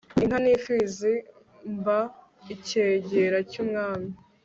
inka nimfizi mba icyegera cyumwami